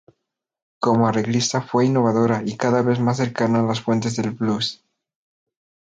Como arreglista fue innovadora y cada vez más cercana a las fuentes del blues.